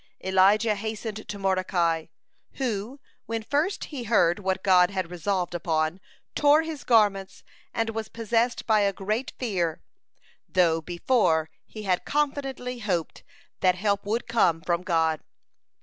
Elijah hastened to Mordecai, who, when first he heard what God had resolved upon, tore his garments and was possessed by a great fear, though before he had confidently hoped that help would come form God.